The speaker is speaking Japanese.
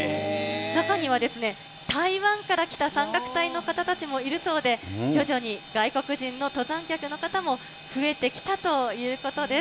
中には台湾から来た山岳隊の方たちもいるそうで、徐々に外国人の登山客の方も増えてきたということです。